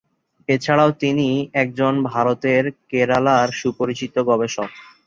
এছাড়াও তিনি একজন ভারতের কেরালার সুপরিচিত গবেষক।